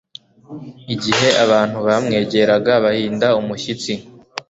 Igihe abantu bamwegeraga bahinda umushyitsi